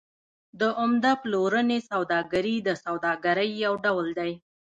د عمده پلورنې سوداګري د سوداګرۍ یو ډول دی